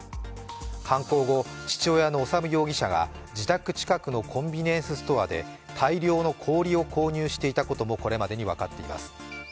犯行後、父親の修容疑者が自宅近くのコンビニエンスストアで大量の氷を購入していたこともこれまでに分かっています。